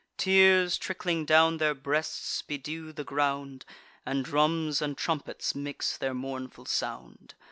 Tears, trickling down their breasts, bedew the ground, And drums and trumpets mix their mournful sound.